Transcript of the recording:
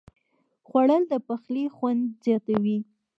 خوړل د پخلي خوند زیاتوي